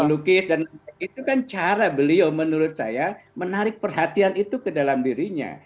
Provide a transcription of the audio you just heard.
melukis dan itu kan cara beliau menurut saya menarik perhatian itu ke dalam dirinya